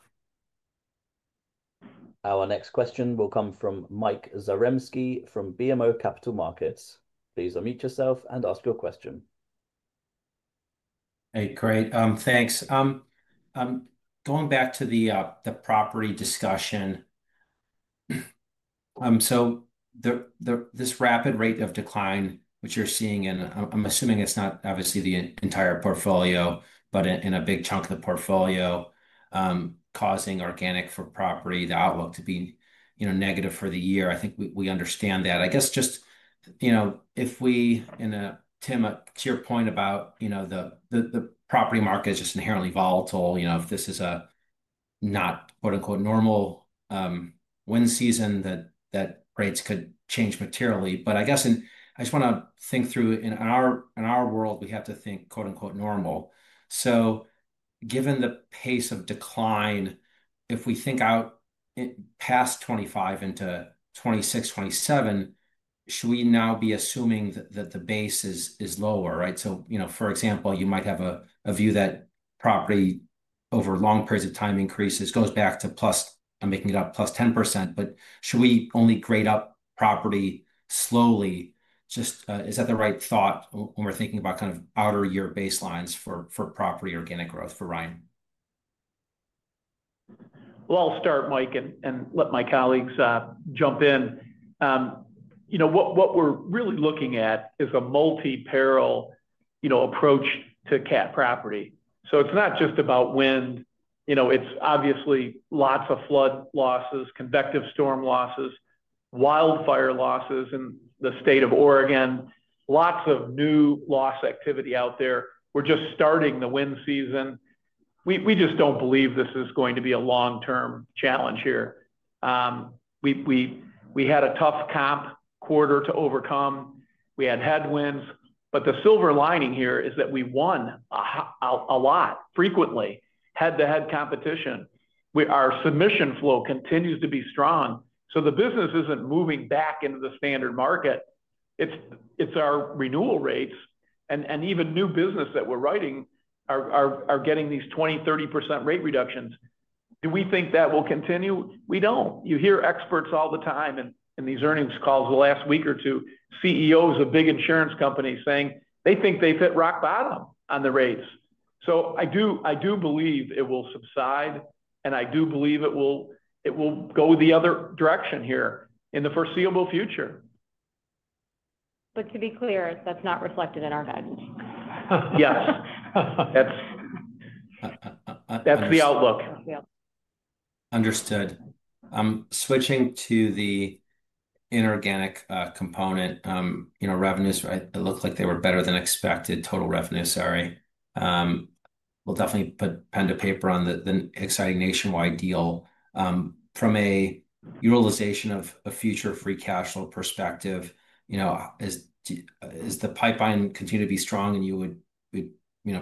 Our next question will come from Mike Zaremski from BMO Capital Markets. Please unmute yourself and ask your question. Hey, great, thanks. Going back to the property discussion, this rapid rate of decline which you're seeing, and I'm assuming it's not obviously the entire portfolio but a big chunk of the portfolio, is causing organic for property, the outlook to be negative for the year. I think we understand that. I guess, Tim, to your point about the property market is just inherently volatile. If this is a not quote unquote normal wind season, rates could change materially. I just want to think through, in our world we have to think quote unquote normal. Given the pace of decline, if we think out past 2025 into 2026, 2027, should we now be assuming that the base is lower? For example, you might have a view that property over long periods of time increases, goes back to plus, I'm making it up, +10%. Should we only grade up property slowly? Is that the right thought when we're thinking about kind of outer year baselines for property organic growth for Ryan? I'll start, Mike, and let my colleagues jump in. You know what we're really looking at is a multi-peril approach to cat property. It's not just about wind. It's obviously lots of flood losses, convective storm losses, wildfire losses in the State of Oregon, lots of new loss activity out there. We're just starting the wind season. We just don't believe this is going to be a long-term challenge here. We had a tough comp quarter to overcome. We had headwinds. The silver lining here is that we won a lot, frequently head-to-head competition. Our submission flow continues to be strong. The business isn't moving back into the standard market. It's our renewal rates and even new business that we're writing are getting these 20%, 30% rate reductions. Do we think that will continue? We don't. You hear experts all the time in these earnings calls. The last week or two, CEOs of big insurance companies are saying they think they've hit rock bottom on the rates. I do believe it will subside and I do believe it will go the other direction here in the foreseeable future. That is not reflected in our guidance. Yes, that's the outlook. Understood. Switching to the inorganic component. Revenues look like they were better than expected. Total revenue. Sorry. We'll definitely put pen to paper on the exciting Nationwide Mutual deal from a utilization of a future free cash flow perspective. Is the pipeline continuing to be strong and you would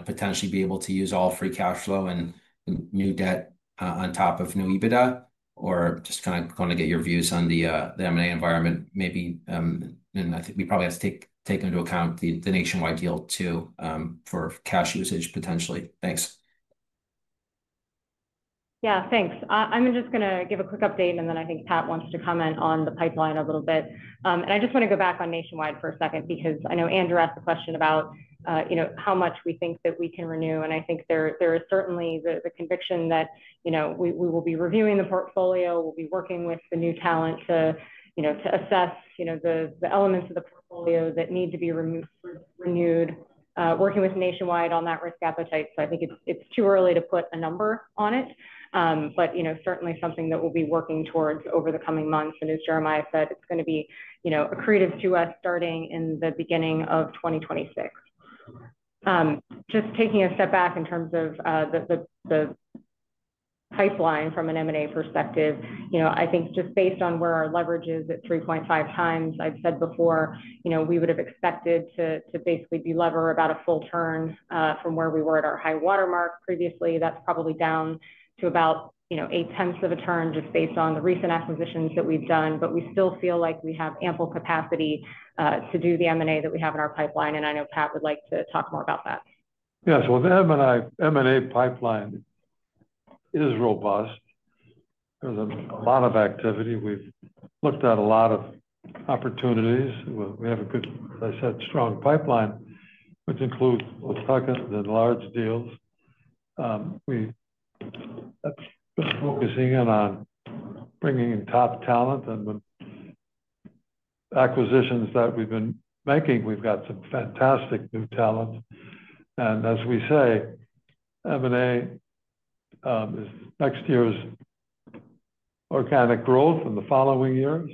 potentially be able to use all free cash flow and new debt on top of new EBITDA or just kind of going to get your views on the M&A environment maybe. I think we probably have to take into account the Nationwide Mutual deal too for cash usage potentially. Thanks. Yeah, thanks. I'm just going to give a quick update and then I think Pat wants to comment on the pipeline a little bit. I just want to go back on Nationwide for a second because I know Andrew asked the question about, you know, how much we think that we can renew and I think there is certainly the conviction that, you know, we will be reviewing the portfolio, we'll be working with the new talent to, you know, to assess, you know, the elements of the portfolio that need to be removed, renewed, working with Nationwide on that risk appetite. I think it's too early to put a number on it, but, you know, certainly something that we'll be working towards over the coming months and as Jeremiah said, it's going to be, you know, accretive to us starting in the beginning of 2026. Just taking a step back in terms of the pipeline from an M&A perspective, I think just based on where our leverage is at 3.5x, I've said before, we would have expected to basically be levered about a full from where we were at our high water mark previously. That's probably down to about, you know, 8x of a turn just based on the recent acquisitions that we've done. We still feel like we have ample capacity to do the M&A that we have in our pipeline. I know Pat would like to talk more about that. Yes, the M&A pipeline is robust. There's a lot of activity. We've looked at a lot of opportunities. We have a good, I said strong, pipeline which includes second and large deals. We are focusing on bringing in top talent and the acquisitions that we've been making. We've got some fantastic new talent and as we say, M&A is next year's organic growth in the following years.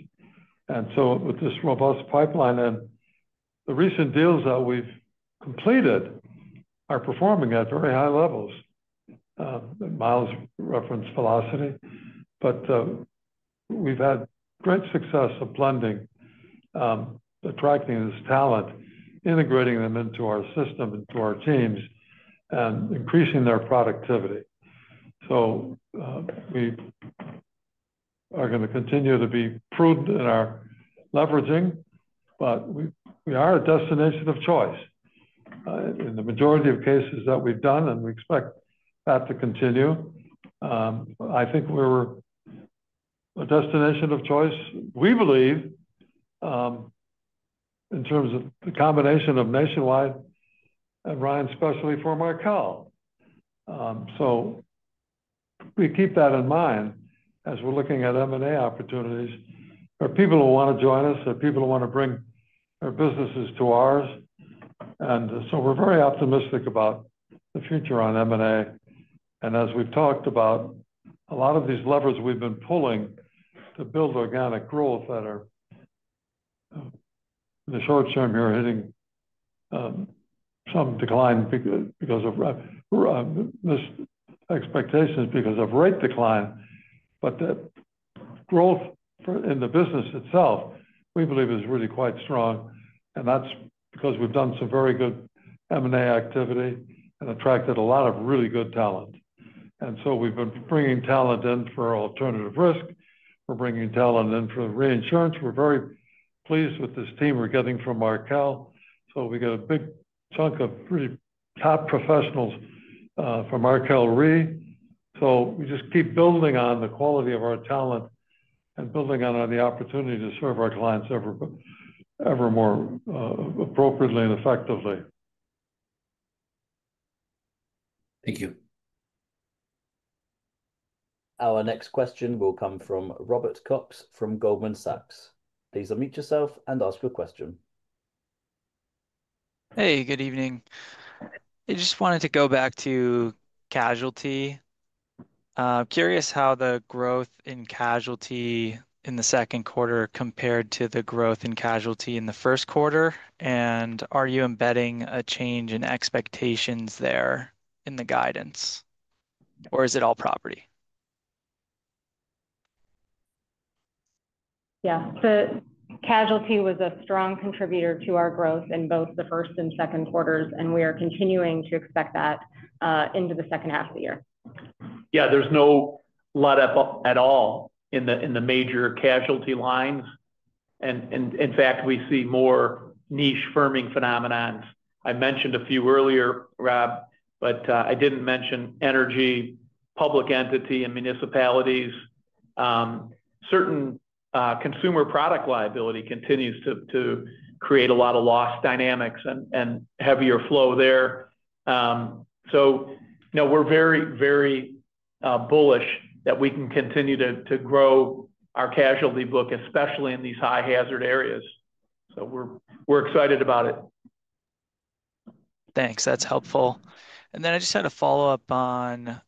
With this robust pipeline and the recent deals that we've completed performing at very high levels. Miles referenced Velocity, but we've had great success blending, attracting this talent, integrating them into our system, into our teams, and increasing their productivity. We are going to continue to be prudent in our leveraging. We are a destination of choice in the majority of cases that we've done and we expect that to continue. I think we're a destination of choice, we believe, in terms of the combination of Nationwide and Ryan Specialty for Markel. We keep that in mind as we're looking at M&A opportunities for people who want to join us. There are people who want to bring their businesses to ours. We are very optimistic about the future on M&A. As we've talked about, a lot of these levers we've been pulling to build organic growth that are in the short term here hitting some decline because of expectations, because of rate decline. The growth in the business itself, we believe, is really quite strong. That's because we've done some very good M&A activity and attracted a lot of really good talent. We've been bringing talent in for alternative risk, we're bringing talent in for reinsurance. We're very pleased with this team we're getting from Markel. We get a big chunk of pretty top professionals from Markel Re. We just keep building on the quality of our talent and building on the opportunity to serve our clients ever more appropriately and effectively. Thank you. Our next question will come from Robert Cox from Goldman Sachs. Please unmute yourself and ask a question. Hey, good evening. I just wanted to go back to casualty. Curious how the growth in casualty in the second quarter compared to the growth in casualty in the first quarter. Are you embedding a change in expectations there in the guidance, or is it all property? Yeah, the casualty was a strong contributor to our growth in both the first and second quarters, and we are continuing to expect that into the second half of the year. Yeah, there's no let up at all in the major casualty lines, and in fact, we see more niche firming phenomenons. I mentioned a few earlier, Rob, but I didn't mention energy, public entity, and municipalities. Certain consumer product liability continues to create a lot of loss dynamics and heavier flow there. We're very, very bullish that we can continue to grow our casualty book, especially in these high hazard areas. We're excited about it. Thanks, that's helpful. I just had a follow up on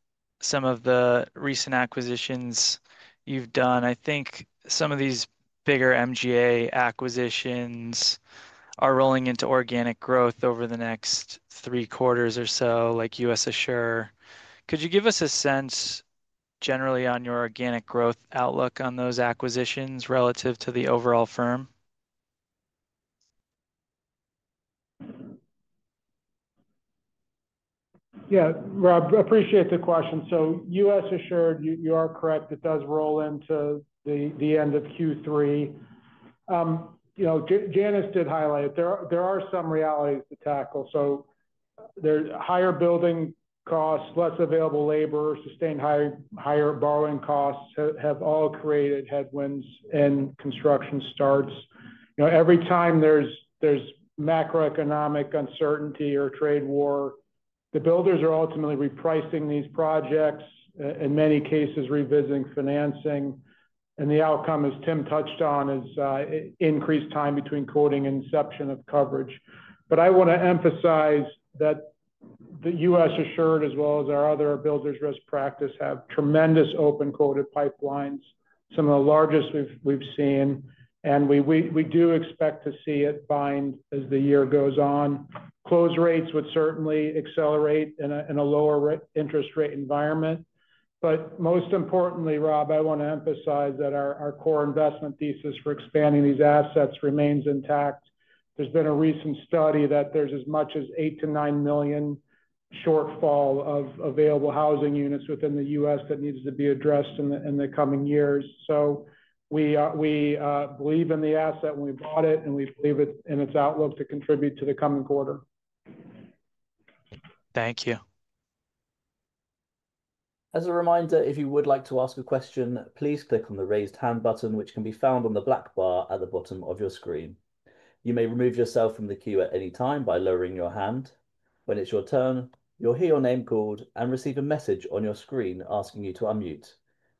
some of the recent acquisitions you've done. I think some of these bigger MGU acquisitions are rolling into organic growth over the next three quarters or so like US Assure. Could you give us a sense generally on your organic growth outlook on those acquisitions relative to the overall firm? Yeah, Rob, appreciate the question. US Assure, you are correct, it does roll into the end of Q3. Janice did highlight there are some realities to tackle. There are higher building costs, less available labor, and sustained higher borrowing costs have all created headwinds in construction starts every time there's macroeconomic uncertainty or trade war. The builders are ultimately repricing these projects, in many cases revisiting financing. The outcome, as Tim touched on, is increased time between quoting and inception of coverage. I want to emphasize that US Assure, as well as our other builders risk practice, have tremendous open coded pipelines, some of the largest we've seen. We do expect to see it bind as the year goes on. Close rates would certainly accelerate in a lower interest rate environment. Most importantly, Rob, I want to emphasize that our core investment thesis for expanding these assets remains intact. There's been a recent study that there's as much as 8 million-9 million shortfall of available housing units within the U.S. that needs to be addressed in the coming years. We believe in the asset when we bought it and we believe in its outlook to contribute to the coming quarter. Thank you. As a reminder, if you would like to ask a question, please click on the raised hand button which can be found on the black bar at the bottom of your screen. You may remove yourself from the queue at any time by lowering your hand. When it's your turn, you'll hear your name called and receive a message on your screen asking you to unmute.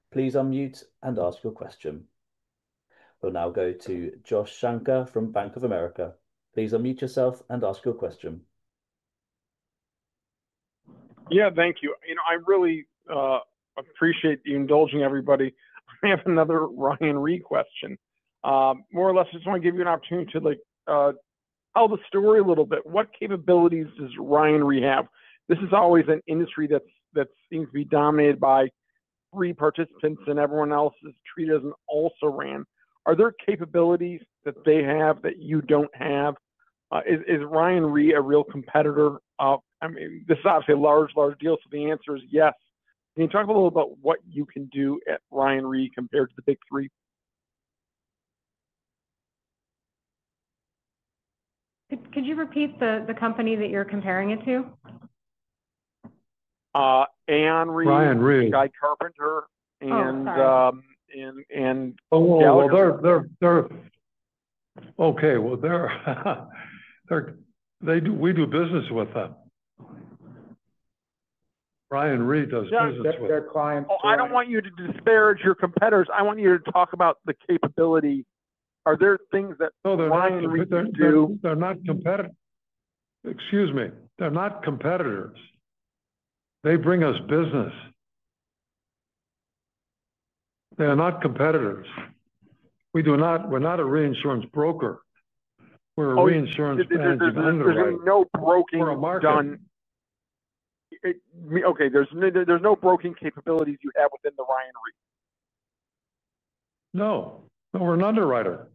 Please unmute and ask your question. We'll now go to Josh Shanker from Bank of America. Please unmute yourself and ask your question. Yeah, thank you. I really appreciate you indulging everybody. I have another Ryan Re question, more or less. I just want to give you an opportunity to tell the story a little bit. What capabilities does Ryan Re have? This is always an industry that's that seems to be dominated by three participants, and everyone else is treated as an also ran. Are there capabilities that they have that you don't have? Is Ryan Re a real competitor? I mean, this is obviously a large, large deal. The answer is yes. Can you talk a little about what you can do at Ryan Re compared to the big three? Could you repeat the company that you're comparing it to? Guy Carpenter. They're, they're. Okay, they're, they're, they. Do we do business with them? Ryan Re does business with their clients. I don't want you to disparage your competitors. I want you to talk about the capability. Are there things that are not competitive? Excuse me. They're not competitors. They bring us business. They are not competitors. We do not. We're not a reinsurance broker. We're a reinsurance. No broking done. Okay. There's no broking capabilities you have within the Ryan Re. No, but we're an underwriter.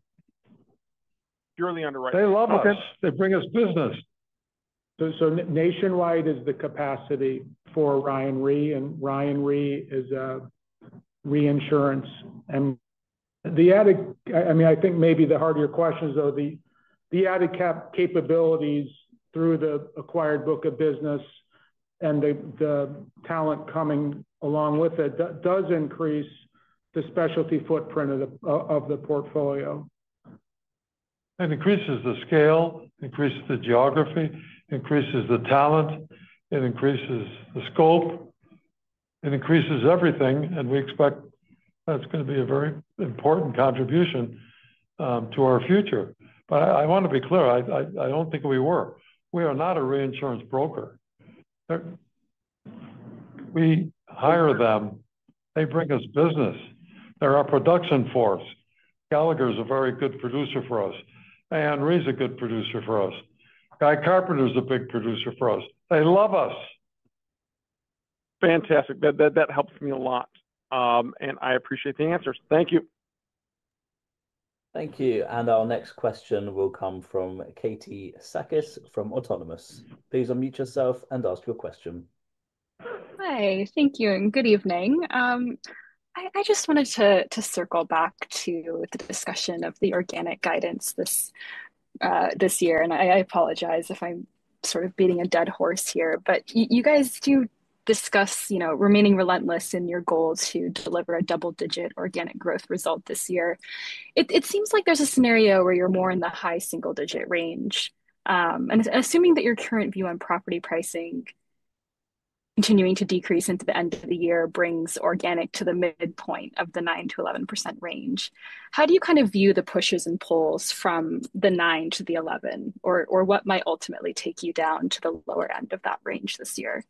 Purely underwriting. They love it. They bring us business. Nationwide Mutual is the capacity for Ryan Re, and Ryan Re is a reinsurance. I mean, I think maybe the harder question is though, the added capabilities through the acquired book of business and the talent coming along with it does increase the specialty footprint of the portfolio. It increases the scale, increases the geography, increases the talent. It increases the scope, it increases everything. We expect that's going to be a very important contribution to our future. I want to be clear. I don't think we were. We are not a reinsurance broker. We hire them. They bring us business. They're our production force. Gallagher is a very good producer for us. Aon is a good producer for us. Guy Carpenter is a big producer for us. They love us. Fantastic. That helps me a lot, and I appreciate the answers. Thank you. Thank you. Our next question will come from Katie Sakys from Autonomous. Please unmute yourself and ask your question. Hi. Thank you and good evening. I just wanted to circle back to the discussion of the organic guidance this year. I apologize if I'm sort of beating a dead horse here, but you guys, do discuss, you know, remaining relentless in your goal to deliver a double-digit organic growth result this year. It seems like there's a scenario where you're more in the high single digit range. Assuming that your current view on property pricing continuing to decrease into the end of the year brings organic to the midpoint of the 9 to 11% range. How do you kind of view the pushes and pulls from the 9 to the 11 or what might ultimately take you down to the lower end of that range this year?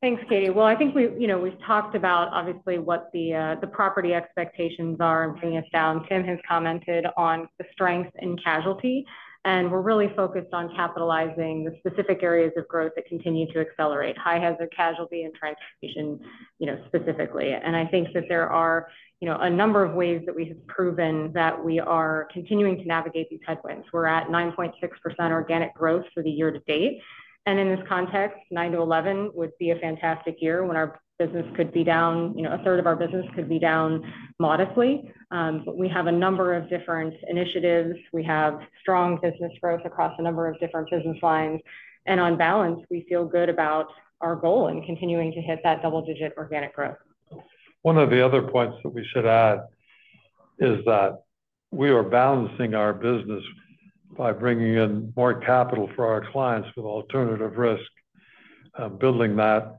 Thanks, Katie. I think we've talked about obviously what the property expectations are bringing us down. Tim has commented on the strength in casualty and we're really focused on capitalizing the specific areas of growth that continue to accelerate, high hazard casualty and transportation specifically. I think that there are a number of ways that we have proven that we are continuing to navigate these headwinds. We're at 9.6% organic growth for the year to date. In this context, 9%-11% would be a fantastic year when our business could be down, a third of our business could be down modestly. We have a number of different initiatives, we have strong business growth across a number of different business lines, and on balance we feel good about our goal in continuing to hit that double digit organic growth. One of the other points that we should add is that we are balancing our business by bringing in more capital for our clients with alternative risk, building that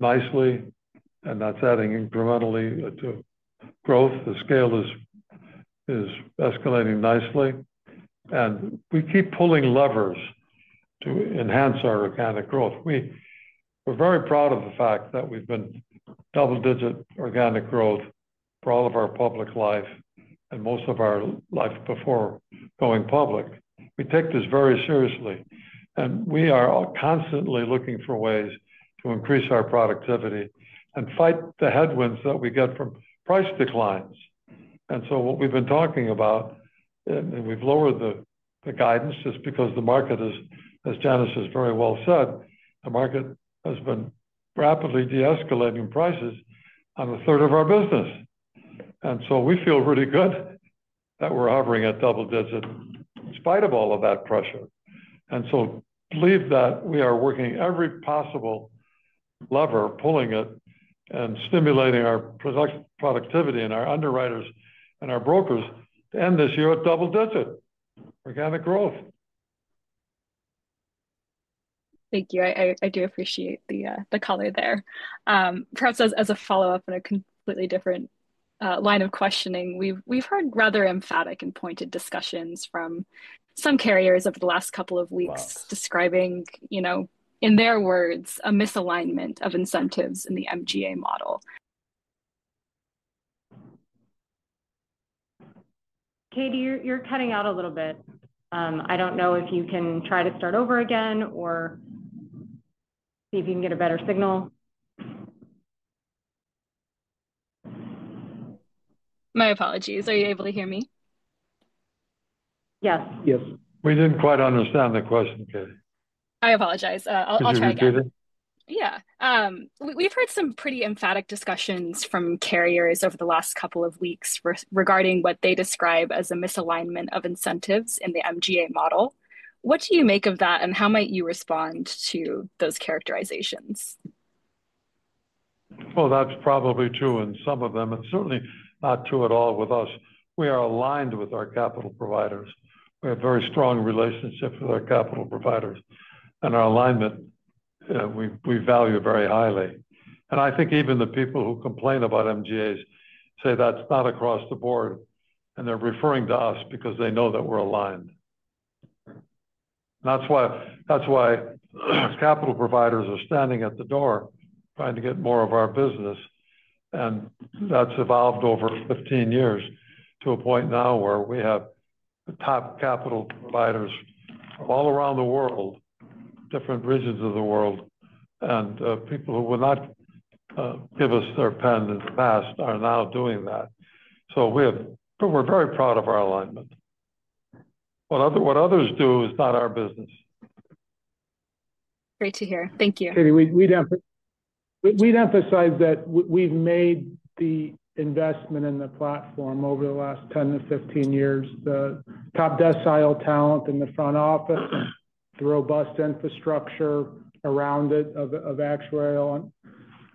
nicely, and that's adding incrementally to growth. The scale is escalating nicely, and we keep pulling levers to enhance our organic growth. We are very proud of the fact that we've been double-digit organic growth for all of our public life and most of our life before going public. We take this very seriously, and we are constantly looking for ways to increase our productivity and fight the headwinds that we get from price declines. What we've been talking about, and we've lowered the guidance just because the market is, as Janice very well said, the market has been rapidly de-escalating prices on a third of our business. We feel really good that we're offering a double-digit in spite of all of that pressure and believe that we are working every possible lever, pulling it and stimulating our productivity and our underwriters and our brokers to end this year at double-digit organic growth. Thank you. I do appreciate the color there. Perhaps as a follow-up on a completely different line of questioning, we've heard rather emphatic and pointed discussions from some carriers over the last couple of weeks describing, you know, in their words, a misalignment of incentives in the MGA model. Katie, you're cutting out a little bit. I don't know if you can try to start over again or see if you can get a better signal? My apologies. Are you able to hear me? Yes. Yes. We didn't quite understand the question, Katie. I apologize. We've heard some pretty emphatic discussions from carriers over the last couple of weeks regarding what they describe as a misalignment of incentives in the MGA model. What do you make of that? How might you respond to those characterizations? That’s probably true in some of them and certainly not true at all with us. We are aligned with our capital providers. We have very strong relationships with our capital providers and our alignment we value very highly. I think even the people who complain about MGA's say that's not across the board and they're referring to us because they know that we're aligned. That's why capital providers are standing at the door trying to get more of our business. That’s evolved over 15 years to a point now where we have the top capital providers all around the world, different regions of the world, and people who would not give us their pen in the past are now doing that. We are very proud of our alignment. What others do is not our business. Great to hear. Thank you. Katie. We'd emphasize that we've made the investment in the platform over the last 10 years-15 years, the top decile talent in the front office, the robust infrastructure around it of actuarial,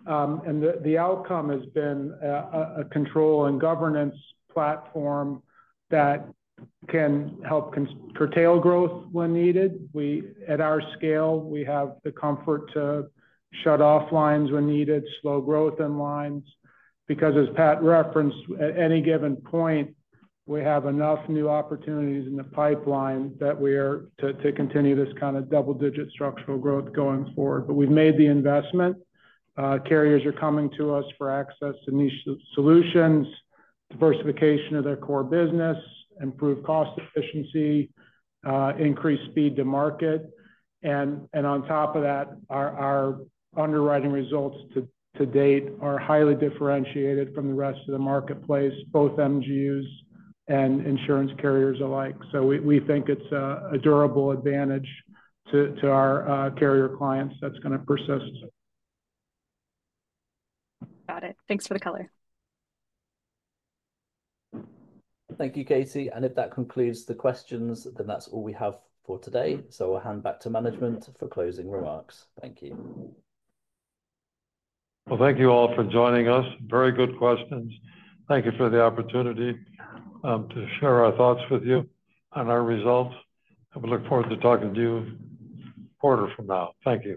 and the outcome has been a control and governance platform that can help curtail growth when needed. We, at our scale, have the comfort to shut off lines when needed, slow growth in lines, because as Pat referenced, at any given point we have enough new opportunities in the pipeline that we are to continue this kind of double-digit structural growth going forward. We've made the investment. Carriers are coming to us for access to niche solutions, diversification of their core business, improved cost efficiency, increased speed to market, and on top of that, our underwriting results to date are highly differentiated from the rest of the marketplace, both MGUs and insurance carriers alike. We think it's a durable advantage to our carrier clients that's going to persist. Got it. Thanks for the color. Thank you, Katie. If that concludes the questions, that's all we have for today. We'll hand back to management for closing remarks. Thank you. Thank you all for joining us. Very good questions. Thank you for the opportunity to share our thoughts with you on our results, and we look forward to talking to you a quarter from now. Thank you.